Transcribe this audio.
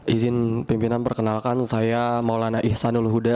izin pimpinan perkenalkan saya maulana ihsanul huda